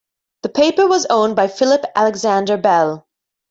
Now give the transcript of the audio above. The paper was owned by Philip Alexander Bell.